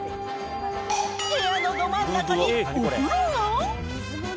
部屋のど真ん中にお風呂が？